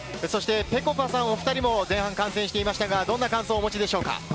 ぺこぱさん、お２人も前半観戦していましたが、どんな感想をお持ちでしょうか？